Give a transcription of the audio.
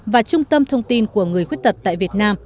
và trung tâm thông tin của người khuyết tật tại việt nam